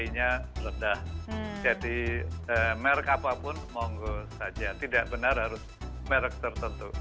kalinya ledah jadi merk apapun monggo saja tidak benar harus merk tertentu